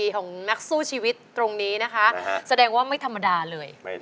ขอบคุณครับ